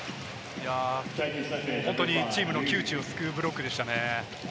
本当にチームの窮地を救うブロックでしたね。